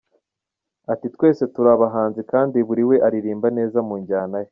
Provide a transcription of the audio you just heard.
Ati, “Twese turi abahanzi kandi buri we aririmba neza mu njyana ye.